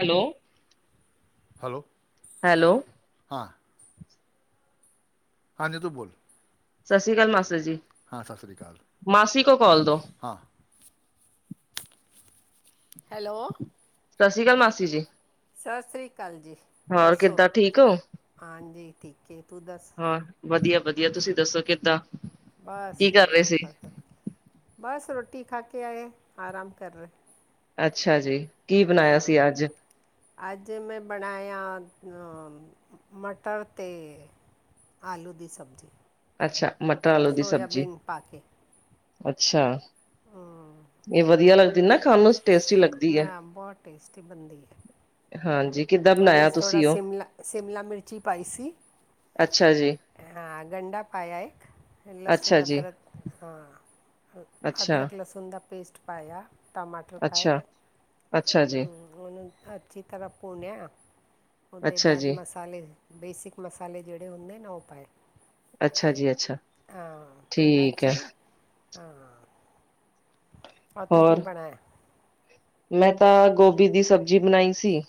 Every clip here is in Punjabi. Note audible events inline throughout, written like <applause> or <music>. ਹੈਲੋ, ਹੈਲੋ, ਹੈਲੋ, ਹਾਂ। ਹਾਂਜੀ। ਤੂੰ ਬੋਲ ਸਤਿ ਸ੍ਰੀ ਅਕਾਲ ਮਾਸੜ ਜੀ। ਹਾਂ ਸਤਿ ਸ਼੍ਰੀ ਅਕਾਲ ਮਾਸੀ ਕੋ ਕਾਲ ਦੋ। ਹਾਂ ਹੈਲੋ, ਸਤਿ ਸ੍ਰੀ ਅਕਾਲ ਮਾਸੀ ਜੀ। ਸਤਿ ਸ਼੍ਰੀ ਅਕਾਲ ਜੀ। ਹੋਰ ਦੱਸੋ ਕਿੱਦਾਂ ਠੀਕ ਹੋ। ਹਾਂਜੀ। ਠੀਕ ਹੈ ਤੂੰ ਦੱਸ। ਹਾਂ, ਵਧੀਆ- ਵਧੀਆ ਤੁਸੀਂ ਦੱਸੋ ਕਿੱਦਾਂ? ਬਸ ਕੀ ਕਰ ਰਹੇ ਇੱਕਦਮ ਸੀ? ਫਤ। ਬਸ ਰੋਟੀ ਖਾ ਕੇ ਆਏ ਆਰਾਮ ਕਰ ਰਹੇ। ਅੱਛਾ ਜੀ। ਕੀ ਬਣਾਇਆ ਸੀ ਅੱਜ? ਅੱਜ ਮੈਂ ਬਣਾਇਆ, ਮਟਰ ਤੇ ਆਲੂ ਦੀ ਸਬਜ਼ੀ। ਅੱਛਾ। ਮਟਰ -ਆਲੂ ਦੀ ਸਬਜ਼ੀ। ਸੋਇਆਬੀਨ ਪਾ ਕੇ ਅੱਛਾ। ਇਹ ਵਧੀਆ ਲੱਗਦੀ ਨਾ ਖਾਣ ਨੂੰ। ਟੇਸਟੀ ਲੱਗਦੀ ਹੈ। ਮੈਂ ਬਹੁਤ ਟੇਸਟੀ ਬਣਦੀ ਏ। ਹਾਂਜੀ। ਕਿੱਦਾਂ ਉਹਦੇ ਬਣਾਇਆ 'ਚ ਥੋੜਾ ਤੁਸੀਂ ਉਹ? ਸ਼ਿਮਲਾ- ਸ਼ਿਮਲਾ ਮਿਰਚੀ ਪਾਈ ਸੀ। ਅੱਛਾ ਜੀ, ਹਾਂ। ਗੰਡਾ ਪਾਇਆ ਇੱਕ ਅੱਛਾ ਲਸੁਣ, ਜੀ, ਅਦਰਕ ਹਾਂ। ਅੱਛਾ, ਅਦਰਕ, ਲਸੁਣ ਦਾ ਪੇਸਟ ਪਾਇਆ। ਟਮਾਟਰ ਪਾਏ। ਅੱਛਾ, ਅੱਛਾ ਜੀ, ਉਹਨੂੰ ਅੱਛੀ ਤਰ੍ਹਾਂ ਭੁੰਨਿਆ। ਉਹਦੇ ਅੱਛਾ ਬਾਅਦ ਜੀ। ਮਸਾਲੇ ਬੇਸਿਕ ਮਸਾਲੇ ਜਿਹੜੇ ਹੁੰਦੇ ਨਾ ਉਹ ਪਾਏ। ਅੱਛਾ ਜੀ, ਅੱਛਾ ਹਾਂ। ਫਿਰ ਬਾਦ ਠੀਕ 'ਚ ਹੈ। ਹਾਂ। ਆ ਤੂੰ ਕੀ ਹੋਰ, ਬਣਾਇਆ? ਮੈਂ ਤਾਂ ਗੋਭੀ ਦੀ ਸਬਜ਼ੀ ਬਣਾਈ ਸੀ।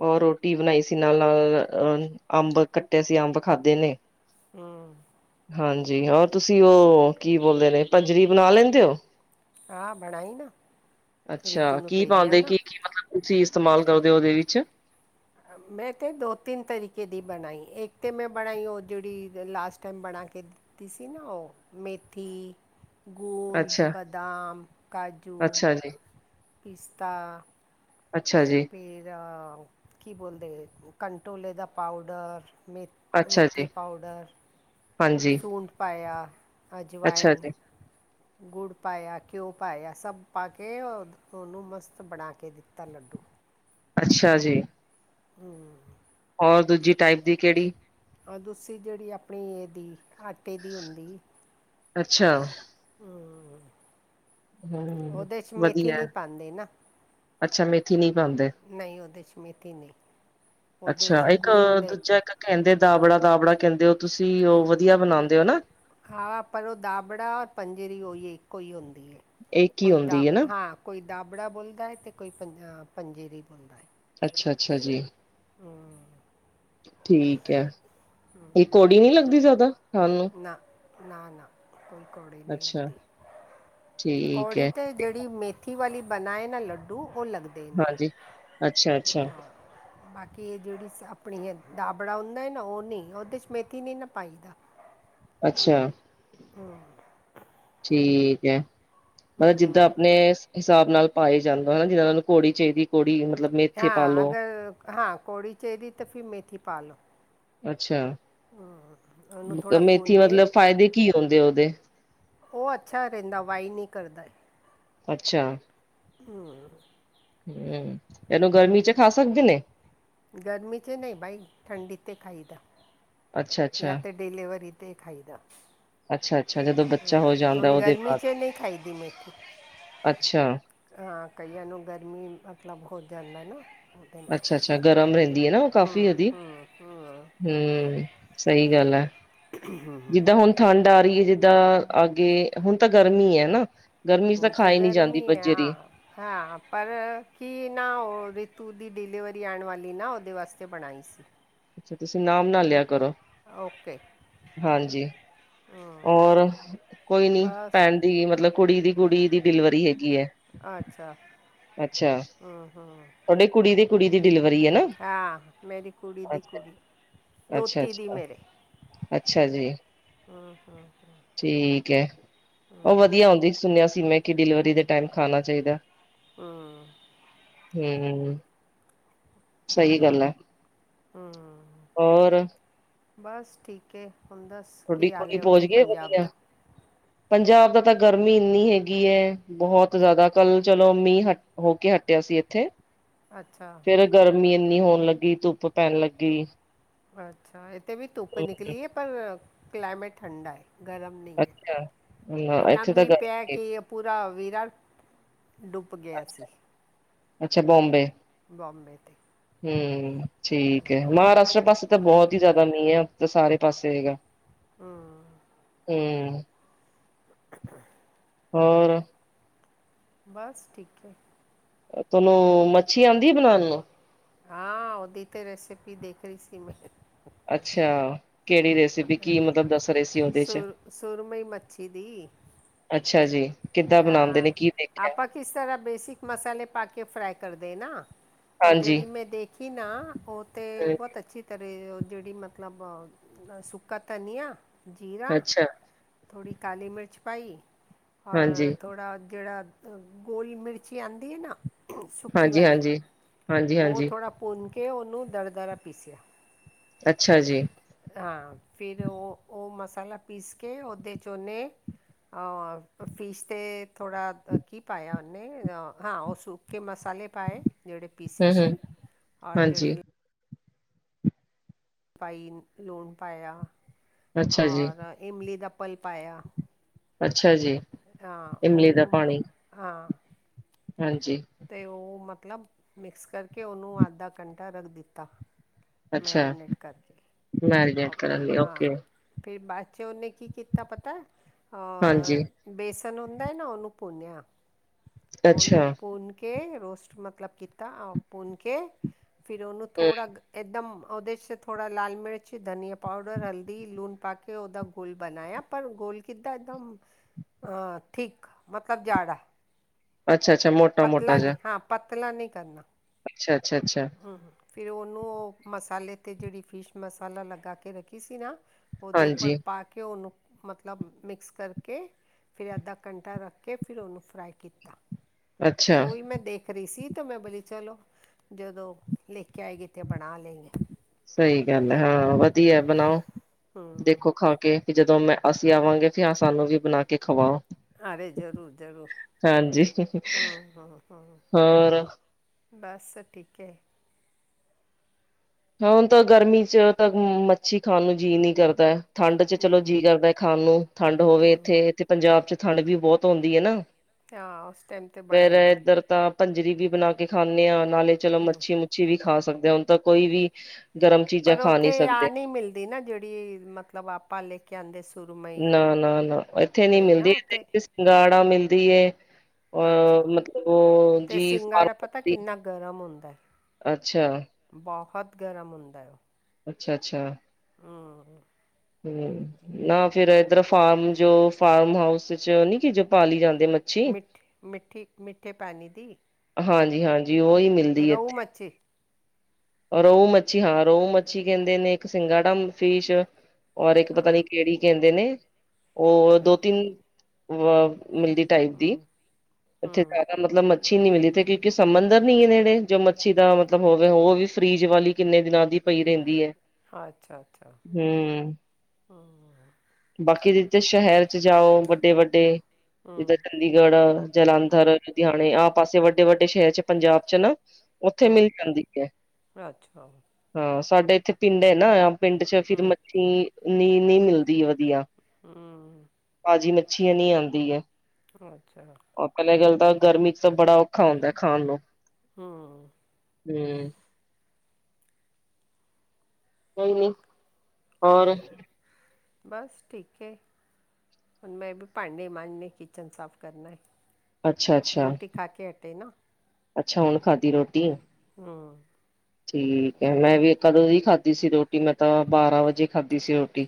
ਔਰ ਰੋਟੀ ਬਣਾਈ ਸੀ। ਅ ਨਾਲ- ਨਾਲ ਅਹ ਅੰਬ ਕੱਟੇ ਸੀ ਅੰਬ ਖਾਧੇ ਨੇ। ਹਮ। ਹਾਂਜੀ। ਔਰ ਤੁਸੀਂ ਉਹ ਕੀ ਬੋਲਦੇ ਨੇ ਭੱਜਰੀ ਬਣਾ ਲੈਂਦੇ ਹੋ। ਹਾਂ। ਬਣਾਈ ਨਾ। ਅੱਛਾ। ਰੀਤੂ ਨੂੰ ਕੀ ਭੇਜਿਆ ਪਾਉਂਦੇ ਕੀ- ਨਾ ਕੀ ਮਤਲਬ ਤੁਸੀਂ ਇਸਤੇਮਾਲ ਕਰਦੇ ਹੋ ਉਹਦੇ ਵਿੱਚ। ਮੈਂ ਤੇ ਦੋ- ਤਿੰਨ ਤਰੀਕੇ ਦੀ ਬਣਾਈ। ਇੱਕ ਤਾਂ ਮੈਂ ਬਣਾਈ ਉਹ ਜਿਹੜੀ ਲਾਸਟ ਟਾਈਮ ਬਣਾ ਕੇ ਤੁਸੀ ਨਾ ਉਹ ਮੇਥੀ ਗੂੰਦ ਅੱਛਾ। ਬਾਦਾਮ ਕਾਜੂ ਅੱਛਾ ਜੀ, ਪਿਸਤਾ ਅੱਛਾ ਜੀ ਫਿਰ ਕੀ ਬੋਲਦੇ ਕੰਟੋਲੇ ਦਾ ਪਾਊਡਰ ਮੇਥੀ ਅੱਛਾ ਜੀ, ਮੇਥੀ ਪਾਊਡਰ ਹਾਂਜੀ, ਸੂੰਢ ਪਾਇਆ ਅੱਛਾ ਅਜਵਾਇਨ ਜੀ, ਗੁੜ ਪਾਇਆ ਘਿਓ ਪਾਇਆ ਸਭ ਪਾ ਕੇ ਉਹਨੂੰ ਮਸਤ ਬਣਾ ਕੇ ਦਿੱਤਾ ਲੱਡੂ ਅੱਛਾ ਜੀ ਹੂ ਔਰ ਦੂਜੀ ਟਾਈਪ ਦੀ ਕਿਹੜੀ ਦੂਸਰੀ ਜਿਹੜੀ ਆਪਣੀ ਇਹਦੀ ਆਟੇ ਦੀ ਹੁੰਦੀ ਅੱਛਾ ਹਮ ਹੂੰ ਉਹਦੇ ਚ ਮੇਥੀ ਵਧੀਆ ਨਹੀਂ ਪਾਉਂਦੇ ਨਾ ਅੱਛਾ ਮੇਥੀ ਨਹੀਂ ਪਾਉਂਦੇ। ਨਹੀਂ ਉਹਦੇ 'ਚ ਮੇਥੀ ਨਹੀਂ ਪੋਦੇ ਅੱਛਾ ਵਿੱਚੀ ਇੱਕ ਗੂੰਦੇ ਦੂਜਾ ਇੱਕ ਕਹਿੰਦੇ ਦਾਬੜਾ ਦਾਬੜਾ ਕਹਿੰਦੇ ਹੋ ਤੁਸੀਂ ਉਹ ਵਧੀਆ ਉਹ ਬਣਾਉਂਦੇ ਹੋ ਨਾ ਉਹ ਹਾਂ ਪਰ ਉਹ ਦਾਬੜਾ ਔਰ ਪੰਜੀਰੀ ਉਹੀ ਇੱਕੋ ਹੀ ਹੁੰਦੀ ਹੈ ਇਹ ਕੀ ਕੋਈ ਦਾ ਹੁੰਦੀ ਹੈ ਨਾ ਹਾਂ ਕੋਈ ਦਾਬੜਾ ਬੋਲਦਾ ਹੈ ਅਤੇ ਕੋਈ ਪੰ ਪੰਜੀਰੀ ਬੋਲਦਾ ਹੈ ਅੱਛਾ ਅੱਛਾ ਜੀ ਹਮ ਠੀਕ ਹੈ ਇਹ ਕੌੜੀ ਨੀ ਲੱਗਦੀ ਜ਼ਿਆਦਾ ਤੁਹਾਨੂੰ ਨਾ ਨਾ ਨਾ ਕੋਈ ਕੌੜੀ ਨਹੀਂ ਅੱਛਾ ਲੱਗਦੀ ਠੀਕ ਕੌੜੀ ਹੈ, ਤੇ ਜੇੜੀ ਮੇਥੀ ਵਾਲੀ ਬਣਾਏ ਨਾ ਲੱਡੂ ਉਹ ਲਗਦੇ ਨੇ ਹਾਂਜੀ। ਅੱਛਾ-ਅੱਛਾ, ਅੱਛਾ ਬਾਕੀ ਇਹ ਜਿਹੜੀ ਸ ਆਪਣੀ ਦਾਬੜਾ ਹੁੰਦਾ ਹੈ ਨਾ ਉਹ ਨਹੀਂ ਉਹਦੇ 'ਚ ਮੇਥੀ ਨਹੀਂ ਨਾ ਪਾਈਦਾ ਅੱਛਾ ਹਮ ਠੀਕ ਹੈ ਮਤਲਬ ਜਿੱਦਾਂ ਆਪਣੇ ਹਿਸਾਬ ਨਾਲ ਪਾਏ ਜਾਂਦਾ ਹੈਨਾ ਜਿਹਨਾਂ ਨੂੰ ਕੋੜੀ ਚਾਹੀਦੀ ਕੋੜੀ ਹਾਂ ਅਗਰ ਹਾਂ ਕੌੜੀ ਚਾਹੀਦੀ ਤਾਂ ਫਿਰ ਮੇਥੀ ਪਾ ਲਓ ਅੱਛਾ ਉਹਨੂੰ ਥੋੜਾ ਭੁੰਨ ਮੇਥੀ ਕੇ ਮਤਲਬ ਫਾਇਦੇ ਕੀ ਹੁੰਦੇ ਉਹਦੇ ਉਹ ਅੱਛਾ ਰਹਿੰਦਾ ਵਾਈ ਨਹੀਂ ਕਰਦਾ ਅੱਛਾ ਹਮ ਹਮ ਇਹਨੂੰ ਗਰਮੀ ਚ ਖਾ ਸਕਦੇ ਨੇ ਗਰਮੀ ਚ ਨਹੀਂ ਭਾਈ ਠੰਡੀ ਤੇ ਖਾਈਦਾ ਯਾ ਅੱਛਾ-ਅੱਛਾ, ਤੇ ਡਿਲੀਵਰੀ 'ਤੇ ਖਾਈਦਾ ਅੱਛਾ-ਅੱਛਾ ਜਦੋਂ ਬੱਚਾ ਹਮ ਹੋ ਜਾਂਦਾ ਹੁਣ ਉਹਦੇ ਗਰਮੀ ਬਾਅਦ ਚ ਨਹੀਂ ਖਾਈਦੀ ਮੇਥੀ ਅੱਛਾ। ਹਾਂ ਕਈਆਂ ਨੂੰ ਗਰਮੀ ਮਤਲਬ ਹੋ ਜਾਂਦਾ ਨਾ ਉਹਦੇ ਨਾਲ ਅੱਛਾ, ਗਰਮ ਰੈੰਦੀ ਏ ਨਾ ਔ ਕਾਫ਼ੀ ਹੂੰ ਓਦੀ। ਹੂੰ ਹੂੰ। ਹੂੰ, ਸਹੀ ਗੱਲ ਐ ਜਿੱਦਾਂ ਹੁਣ ਠੰਡ ਆ ਰੀ ਐ ਜਿੱਦਾਂ ਅਗੇ, ਹੁਣ ਤਾਂ ਗਰਮੀ ਐ ਨਾ। ਗਰਮੀ ਚ ਤਾਂ ਹੁਣ ਤੇ ਖਾਏ ਨੀ ਜਾਂਦੀ ਗਰਮੀ ਹੈ ਬੱਜਰੀ। ਹਾਂ ਹਾਂ, ਪਰ ਕੀ ਨਾ ਓਹ ਰਿਤੂ ਦੀ ਡਿਲੀਵਰੀ ਆਣ ਵਾਲੀ ਨਾ ਔਦੇ ਵਾਸਤੇ ਬਣਾਈ ਸੀ। ਅੱਛਾ, ਤੁਸੀਂ ਨਾਮ ਨਾ ਲਿਆ ਕਰੋ ਓਕੇ। ਹਾਂਜੀ, ਔਰ ਕੋਈ ਨੀ ਬਸ ਪੈਣ ਦੀ ਮਤਲਬ ਕੁੜੀ ਦੀ ਕੁੜੀ ਦੀ ਡਿਲੀਵਰੀ ਹੈਗੀ ਐਂ। ਅੱਛਾ। ਅੱਛਾ। ਹੂੰ-ਹੂੰ। ਤੁਹਾਡੀ ਕੁੜੀ ਦੀ ਕੁੜੀ ਦੀ ਡਲੀਵਰੀ ਐ ਨਾ, ਹਾਂ ਮੇਰੀ ਕੁੜੀ ਦੀ ਅੱਛਾ। ਕੁੜੀ ਦੋਤੀ ਦੀ ਅੱਛਾ-ਅੱਛਾ, ਮੇਰੇ ਅੱਛਾ ਜੀ। ਠੀਕ ਹੈ, ਓਹ ਵਧੀਆ ਹੁੰਦੀ ਸੁਣਿਆ ਸੀ ਮੈਂ, ਕਿ ਡਿਲੀਵਰੀ ਦੇ ਟੈਮ ਖਾਣਾ ਚਾਈਦੈ। ਹੂੰ। ਹੂੰ। ਹੂੰ। ਹੋਰ ਬਸ ਠੀਕ ਏ, ਹੁੰਦਾ ਥੋਡੀ ਕੁੜੀ ਪਹੁੰਚ ਗਈ ਏ ਵਧੀਆ। ਪੰਜਾਬ ਦਾ ਤਾਂ ਗਰਮੀ ਇੰਨੀ ਹੈਗੀ ਐ, ਬਹੁਤ ਜ਼ਿਆਦਾ ਕੱਲ ਚਲੋ, ਮੀਂਹ ਹਟ ਹੋ ਕੇ ਹਟਿਆ ਸੀ ਏਥੇ। ਅੱਛਾ। ਫੇਰ ਗਰਮੀ ਇੰਨੀ ਹੋਣ ਲੱਗੀ, ਧੁੱਪ ਪੈਣ ਲੱਗੀ। ਅੱਛਾ, ਇੱਥੇ ਵੀ ਧੁੱਪ ਹਮ ਨਿਕਲੀ ਏ, ਪਰ ਕਲਾਈਮੇਟ ਠੰਡਾ ਏ। ਗਰਮ ਨਹੀਂ ਐ, ਅੱਛਾ ਨਾ ਏਨਾ ਇੱਥੇ ਤਾਂ ਮੀਂਹ ਪਿਆ ਗਰਮੀ ਕਿ ਪੂਰਾ ਵਿਰਾਡ ਡੁਬ ਅੱਛਾ, ਅੱਛਾ ਬੋਮਬੇ, ਬੰਬੇ ਤੇ ਹੂੰ। ਠੀਕ ਹੈ, ਮਹਾਰਾਸ਼ਟਰ ਪਾਸੇ ਤਾਂ ਬੌਤ ਹੀ ਜਾਦਾ ਮੀਂਹ ਐ, ਤਾਂ ਸਾਰੇ ਪਾਸੇ ਹੇਗਾ। ਹੂੰ। ਹੂੰ। <inaudible> ਹੋਰ ਬੱਸ ਠੀਕ ਐ। ਅ ਤੈਨੂੰ ਮੱਛੀ ਆਂਦੀ ਏ ਬਣਾਣੀ। ਹਾਂ, ਓਹਦੀ ਤੇ ਰੈਸਪੀ ਦੇਖ ਰਹੀ ਸੀ ਮੈਂ। ਅੱਛਾ। ਕਿਹੜੀ ਰੇਸਿਪੀ, ਕੀ ਮਤਲਬ ਦੱਸ ਰੇ ਸੀ ਔਦੇ ਚ। ਸੁਰ ਸੁਰਮਈ ਮੱਛੀ ਦੀ ਅੱਛਾ ਜੀ, ਕਿੱਦਾਂ ਬਣਾਂਦੇ ਹਾਂ ਨੇ, ਕੀ ਵੇਖਿਆ? ਆਪਾਂ ਕਿਸ ਤਰ੍ਹਾਂ ਬੇਸਿਕ ਮਸਾਲੇ ਪਾ ਕੇ, ਫਰਾਈ ਕਰ ਦੇ ਨਾ। ਪਰ ਹਾਂਜੀ ਜਿਹੜੀ ਮੈਂ ਦੇਖੀ ਨਾ, ਓਹ ਤੇ ਬੌਤ ਅੱਛੀ ਘਰੇ ਜਿਹੜੀ ਮਤਲਬ ਅ ਸੁੱਕਾ ਧਨੀਆ, ਜੀਰਾ। ਅੱਛਾ ਥੋੜ੍ਹੀ ਕਾਲੀ ਮਿਰਚ ਪਾਈ। ਔਰ, ਹਾਂਜੀ ਥੋੜਾ ਜਿਹੜਾ ਗੋਰੀ ਮਿਰਚੀ ਆਂਦੀ ਏ ਨਾ ਸੁੱਕੀ ਵਾਲੀ, ਹਾਂਜੀ-ਹਾਂਜੀ, ਔਹ ਹਾਂਜੀ-ਹਾਂਜੀ, ਥੋੜ੍ਹਾ ਭੁੰਨ ਕੇ, ਉਹਨੂੰ ਦਰ-ਦਰਾ ਪੀਸਿਆ। ਅੱਛਾ ਜੀ। ਹਾਂ, ਫਿਰ ਉਹ-ਉਹ ਮਸਾਲਾ ਪੀਸ ਕੇ, ਔਦੇ ਚ ਓਨੇ ਔਰ ਅ ਫਿਸ਼ ਤੇ ਥੋੜ੍ਹਾ ਕੀ ਪਾਇਆ ਓਨੇ, ਹਾਂ ਔਹ ਸੁੱਕੇ ਮਸਾਲੇ ਪਾਏ। ਜਿਹੜੇ ਪੀਸੇ ਹੂੰ-ਹੂੰ, ਸੀ, ਔਰ ਹਾਂਜੀ। ਜਿਹੜੀ ਪਾਈ ਲੂਣ ਪਾਯਾ, ਅੱਛਾ ਜੀ, ਔਰ ਇਮਲੀ ਦਾ ਪਲ ਪਾਯਾ। ਅੱਛਾ ਜੀ। ਹਾਂ, ਇਮਲੀ ਦਾ ਉਹਨੂੰ ਮ ਪਾਣੀ ਹਾਂ ਹਾਂਜੀ। ਤੇ ਉਹ ਮਤਲਬ ਮਿਕਸ ਕਰਕੇ, ਉਹਨੂੰ ਅੱਧਾ ਘੰਟਾ ਰੱਖ ਦਿੱਤਾ। ਅੱਛਾ ਮੈਰੀਨੇਟ ਕਰਕੇ, ਓਹ ਮੈਰੀਨੇਟ ਕਰਨ ਲਈ ਹਾਂ ਓਕੇ, ਫਿਰ ਬਾਅਦ ਚ ਉਹਨੇ ਕੀ ਕੀਤਾ, ਪਤੈ ਹਾਂਜੀ, ਬੇਸਣ ਹੁੰਦਾ ਨਾ, ਉਹਨੂੰ ਭੁੰਨਿਆ ਉਹਨੂੰ ਅੱਛਾ, ਭੁੰਨ ਕੇ, ਰੋਸਟ ਮਤਲਬ ਕੀਤਾ, ਅ ਭੁੰਨ ਕੇ ਫਿਰ ਉਹਨੂੰ ਹੂੰ, ਥੋੜ੍ਹਾ ਕ ਇਕਦਮ ਉਹਦੇੇੇ ਚ' ਥੋੜਾ ਲਾਲ ਮਿਰਚ, ਧਨੀਆਂ ਪਾਊਡਰ, ਹਲਦੀ, ਲੂਣ ਪਾ ਕੇ ਉਹਦਾ ਘੋਲ ਬਣਾਇਆ। ਪਰ ਘੋਲ ਕਿਤਾੱ ਇੱਕਦਮ, ਥੀਕ ਮਤਲਬ ਗਾੜਾ। ਅੱਛਾ- ਅੱਛਾ ਮੋ ਪਤਲਾ ਨਹੀਂ ਹਾਂ। ਪਤਲਾ ਨਹੀਂ ਕਰਨਾ। ਅੱਛਾ- ਅੱਛਾ- ਅੱਛਾ। ਫਿਰ ਉਹਨੂੰ ਉਹ ਮਸਾਲੇ 'ਤੇ ਜਿਹੜੀ ਫਿਸ਼ ਮਸਾਲਾ ਲਗਾ ਕੇ ਰੱਖੀ ਸੀ ਨਾ। ਉਹਦੇ ਉੱਪਰ ਹਾਂਜੀ, ਪਾ ਕੇ ਉਹਨੂੰ ਮਤਲਬ ਮਿਕਸ ਕਰਕੇ ਫਿਰ ਅੱਧਾ ਘੰਟਾ ਰੱਖ ਕੇ ਫਿਰ ਔਨੂੰ ਫਰਾਈ ਕੀਤਾ। ਤੇ ਅੱਛਾ, ਔਈ ਮੈਂ ਦੇਖ ਖਰੀ ਸੀ ਤੋ ਮੈਂ ਬੋਲੀ ਚਲੋ, ਜਦੋਂ ਲੇ ਕੇ ਆਏਗੀ ਤੇ ਬਣਾ ਲੇੰਗੇ। ਸਹੀ ਗੱਲ ਹੈ। ਹਾਂ, ਵਧੀਆ। ਬਣਾਓ ਹੂੰ ਦੇਖੋ ਖਾ ਕੇ ਵੀ ਜਦੋਂ ਮੈਂ ਅਸੀਂ ਆਵਾਂਗੇ ਤੇ ਸਾਨੂੰ ਵੀ ਬਣਾ ਕੇ ਖਵਾਔ। ਅਰੇ ਜ਼ਰੂਰ- ਜ਼ਰੂਰੂ ਹੂੰ- ਹੂੰ- ਹੂੰ। ਹੋਰ ਬਸ ਠੀਕ ਏ। ਹ ਹੁਣ ਤਾਂ ਗਰਮੀ ਚ' ਤਾਂ ਮੱਛੀ ਖਾਣ ਨੂੰ ਜੀਅ ਨੀ ਕਰਦੈ। ਠੰਡ ਚ' ਚਲੋ ਜੀਅ ਕਰਦੈ ਖਾਣ ਨੂੰ। ਠੰਡ ਹੋਵੇ ਇੱਥੇ, ਇਥੇ ਪੰਜਾਬ ਚ' ਠੰਡ ਵੀ ਬਹੁਤ ਹੁੰਦੀ ਏ ਨਾ। ਹਾਂ, ਉਸ ਟਾਈਮ ਤੇ ਫੇਰ ਬਣਾਈ ਦੀ। ਇੱਧਰ ਤਾਂ ਭੰਜਰੀ ਵੀ ਬਣਾ ਕੇ ਖਾਂਨੇ ਹਾਂ। ਨਾਲੇ ਚਲੋ ਮੱਛੀ- ਮੁੱਛੀ ਵੀ ਖਾ ਸਕਦੇ ਹਾਂ ਹੁਣ ਤਾਂ ਕੋਈ ਵੀ ਗਰਮ ਚੀਜ਼ਾਂ ਖਾ ਨਹੀਂ ਸਕਦੇ। ਦੇਨਾ ਜਿਹੜੀ ਮਤਲਬ ਆਪ ਪਾ ਲੇ ਕੇ ਆਦੇ ਸੁਰਮਈ, ਨਾ ਨਹੀਂ ਨਾ ਉੱਥੇ ਗਾੜਾ ਮਿਲਦੀ ਏ। ਅ ਅੱਛਾ ਮਤਲਬ ਉਹ ਤੇ ਜੀ ਸਿੰਗਾੜਾ ਫਾਰਮ ਪਤਾ ਦੀ। ਕਿੰਨਾ ਗਰਮ ਹੁੰਦਾ। ਅੱਛਾ। ਬਹੁਤ ਗਰਮ ਹੁੰਦਾ। ਅੱਛਾ- ਅੱਛਾ। ਹੂੰ। ਹਮ, ਨਾ ਫੇਰ ਇੱਧਰ ਫਾਰਮ ਜੋ ਫਾਰਮ ਹਾਊਸ ਚ' ਨੀ ਕਿ ਜੋ ਪਾਲੀ ਜਾਂਦੇ ਮੱਛੀ ਮਿੱਠ -ਮਿੱਠੀ- ਮਿੱਠੇ ਪਾਣੀ ਦੀ ਹਾਂਜੀ- ਹਾਂਜੀ ਉਹੀ ਨਿ ਰਹੂ ਮਛੀ ਰਹੁ ਮੱਛੀ ਹਾਂ। ਰਹੁ ਮੱਛੀ ਕਹਿੰਦੇ ਨੇ ਇੱਕ ਸਿੰਗਾੜਾ ਫਿਸ਼ ਔਰ ਇੱਕ ਪਤਾ ਹਾਂ ਨੀ ਕਿਹੜੀ ਕਹਿੰਦੇ ਨੇ ਉਹ ਦੋ- ਹਾਂ, ਤਿੰਨ ਵ ਮਿਲਦੀ ਟਾਈਪ ਦੀ ਹਮ ਉੱਥੇ ਹਮ ਜਾਦਾ ਮਤਲਬ ਮੱਛੀ ਨੀ ਮਿਲੀ ਤੇ ਕਿਉਂਕਿ, ਸਮੁੰਦਰ ਨਹੀ ਏ ਨੇੜੇ, ਜੋ ਮੱਛੀ ਦਾ ਮਤਲਬ ਹੋਵੇ ਉਹ ਵੀ ਫ੍ਰੀਜ਼ ਵਾਲੀ ਕਿੰਨੇ ਦਿਨਾਂ ਦੀ ਪਈ ਰਹਿੰਦੀ ਐ। ਅੱਛਾ- ਅੱਛਾ ਹ। ਬਾਕੀ ਜਿਦਾ ਸ਼ਹਿਰ ਚ' ਜਾਓ ਵੱਡੇ- ਵੱਡੇ ਜਿੱਦਾੱ ਚੰਡੀਗੜ੍ਹ, ਜਲੰਧਰ, ਲੁਧਿਆਣੇ ਆ ਪਾਸੇ ਵ ਵੱਡੇ- ਵੱਡੇ ਸ਼ਹਿਰ ਚ' ਪੰਜਾਬ ਚ' ਨਾ ਉੱਥੇ ਹਮ ਮਿਲ ਜਾਂਦੀ ਐ। ਅੱਛਾ ਹਾਂ। ਸਾਡੇ ਇੱਥੇ ਪਿੰਡ ਹੈ ਨਾ ਪਿੰਡ ਚ' ਫਿਰ ਮੱਛੀ ਨੀ ਨਹੀਂ ਮਿਲਦੀ ਵਧੀਆ। ਹਮ ਤਾਜ਼ੀ ਮੱਛੀਆ ਨਹੀਂ ਆਂਦੀ ਹੈ। ਚਲੋ, ਅੱਛਾ। ਪਹਿਲੇ ਗੱਲ ਤਾਂ ਗਰਮੀ ਚ' ਤਾਂ ਬੜਾ ਔਖਾ ਹੁੰਦਾ ਖਾਣ ਨੂੰ। ਹਮ ਹਮ ਕੋਈ ਨਹੀਂ। ਬਸ, ਠੀਕ ਏ। ਹੁਣ ਮੈਂ ਵੀ ਭਾਂਡੇ ਮਾਂਜੇ ਕਿਚਨ ਸਾਫ਼ ਕਰਨਾ, ਅੱਛਾ ਅੱਛਾ ਰੋਟੀ ਖਾ ਕੇ ਹਟੇ ਨਾ। ਅੱਛਾ ਹੁਣ ਖਾਧੀ ਰੋਟੀ ਹੱਮ ਠੀਕ ਹੈ ਮੈਂ ਵੀ ਕਦੋਂ ਹੀ ਖਾਧੀ ਸੀ ਰੋਟੀ ਮੈਂ ਤਾਂ ਬਾਰਾਂ ਵਜੇ ਖਾਧੀ ਸੀ ਰੋਟੀ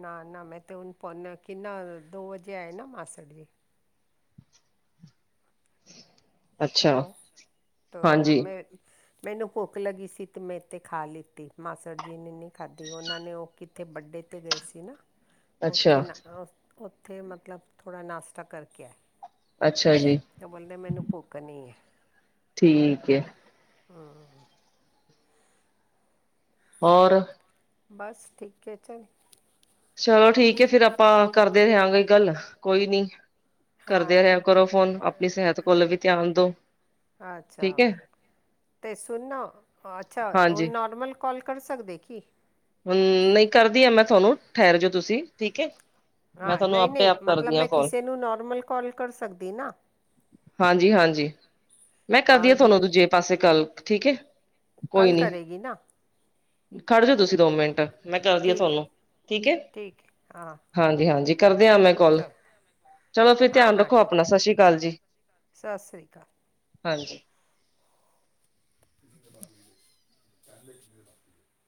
ਨਾ-ਨਾ ਮੈਂ ਤਾਂ ਹੁਣ ਪੁਨ ਕਿੰਨਾ ਦੋ ਵਜੇ ਆਏ ਨਾ ਮਾਸੜ ਜੀ ਅੱਛਾ ਹੈਲੋ ਤੋਂ ਹਾਂਜੀ ਮੈਂ ਮੈਨੂੰ ਭੁੱਖ ਲੱਗੀ ਸੀ ਤੇ ਮੈਂ ਇੱਥੇ ਖਾ ਲਿੱਤੀ ਮਾਸੜ ਜੀ ਨੇ ਨਹੀਂ ਖਾਧੀ ਉਹਨਾਂ ਨੇ ਉਹ ਕੀ ਤੇ ਬਰਡੇ ਤੇ ਗਏ ਸੀ ਨਾ ਹ <inaudible> ਉੱਥੇ ਨਾ ਉੱਥੇ ਮਤਲਬ ਥੋੜ੍ਹਾ ਨਾਸ਼ਤਾ ਕਰਕੇ ਆਏ। ਅੱਛਾ ਜੀ। ਕੇ ਬੋਲਦੇ ਮੈਨੂੰ ਭੁੱਖ ਨਹੀਂ ਏ। ਠੀਕ ਏ ਹਾਂ ਹੋਰ ਬਸ ਠੀਕ ਹੈ ਚੱਲ ਚਲੋ ਠੀਕ ਹੈ ਫੇਿਰ ਆਪਾਂ ਕਰਦੇ ਰਿਹਾਂਗੇ ਬਈ ਗੱਲ ਕੋਈ ਨੀ ਹਾਂ ਕਰਦੇਿਆਂ ਰਿਹਾ ਠੀਕ ਕਰੋ ਹੈ ਫੋਨ ਆਪਣੀ ਸਿਹਤ ਕੋਲ ਵੀ ਧਿਆਨ ਦੋ ਠੀਕ ਅੱਛਾ ਹੈ ਤੇ ਸੁਣ ਅੱਛਾ ਹਾਂਜੀ ਹੁਣ ਨੋਰਮਲ ਕਾਲ ਕਰ ਸਕਦੇ ਕਿ ਹੱਮ ਨਹੀਂ ਕਰਦੀ ਹਾਂ ਮੈਂ ਤੁਹਾਨੂੰ ਠਹਿਰ ਜਯੋ ਤੁਸੀਂ ਠੀਕ ਏ ਹਾਂ ਨਹੀਂ-ਨਹੀਂ ਮਤਲਬ ਮੈਂ ਕਿਸੇ ਨੂੰ ਨੋਰਮਲ ਕੋਾਲ ਕਰ ਸਕਦੀ ਨਾ ਹਾਂਜੀ-ਹਾਂਜੀ ਮੈਂ ਕਰਦੀ ਆ ਔਰ ਤੁਹਾਨੂੰ ਦੂਜੇ ਪਾਸੇ ਕਾਲ ਠੀਕ ਏ ਕੋਈ ਕੱਲ ਨੀ ਕਰੇਗੀ ਨਾ ਖੜ ਜਾਓ ਤੁਸੀਂ ਦੋ ਮਿੰਟ ਮੈਂ ਕਰਦੀ ਹਾਂ ਠੀਕ ਹੈ ਤੁਹਾਨੂੰ ਠੀਕ ਏ ਠੀਕ ਹੈ ਹਾਂ ਹਾਂਜੀ-ਹਾਂਜੀ ਕਰਦੇਿਆਂ ਮੈਂ ਕੋਲ ਚਲ ਚਲੋ ਫਿਰ ਹਾਂ ਧਿਆਨ ਹਾਂ ਰੱਖੋ ਠੀਕ ਅਪਣਾ ਸਤਿ ਹੈ ਸ੍ਰੀ ਅਕਾਲ ਜੀ ਸਤਿ ਸ੍ਰੀ ਅਕਾਲ ਹਾਂਜੀ <unintelligible> <inaudible>